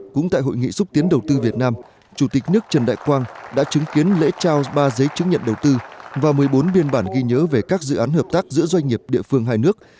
cũng tại hội nghị xúc tiến đầu tư việt nam chủ tịch nước trần đại quang đã chứng kiến lễ trao ba giấy chứng nhận đầu tư và một mươi bốn biên bản ghi nhớ về các dự án hợp tác giữa doanh nghiệp địa phương hai nước